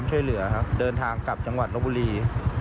จังหวัดลบบุรี